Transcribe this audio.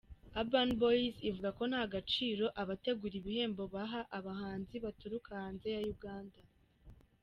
Urban Boyz ivuga ko nta gaciro abategura ibihembo baha abahanzi baturuka hanze ya Uganda.